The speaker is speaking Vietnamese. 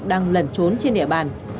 đang lẩn trốn trên địa bàn